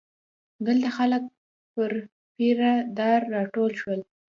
دلته خلک پر پیره دار راټول شول.